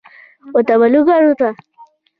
و تابلوګانو ته